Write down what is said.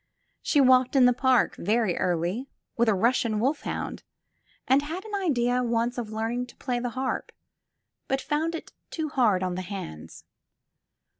She walked in the park, very early, with a Russian wolfhound, and had an idea once of learning to play the harp, but found it too hard on the hands.